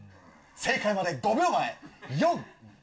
正解まで５秒前！